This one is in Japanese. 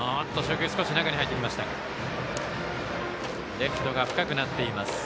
レフトが深くなっています。